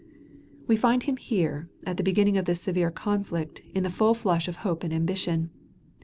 We find him here at the beginning of this severe conflict in the full flush of hope and ambition.